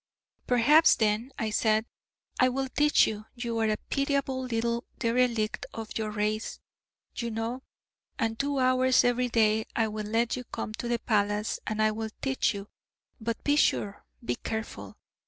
"Perhaps, then," I said, "I will teach you. You are a pitiable little derelict of your race, you know: and two hours every day I will let you come to the palace, and I will teach you. But be sure, be careful.